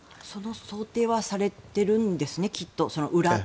その想定はされているんですね、きっと。